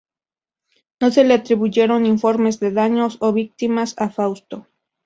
No se le atribuyeron informes de daños o víctimas a Fausto.